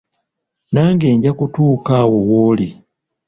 Nange nja kutuuka awo w’oli.